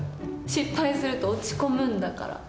失敗すると落ち込むんだから。